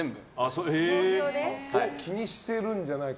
それを気にしてるんじゃないか。